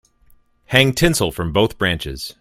Hang tinsel from both branches.